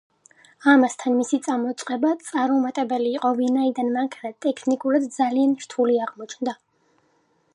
ამასთან, მისი წამოწყება წარუმატებელი იყო, ვინაიდან მანქანა ტექნიკურად ძალიან რთული აღმოჩნდა.